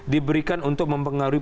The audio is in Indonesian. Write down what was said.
diberikan untuk mempengaruhi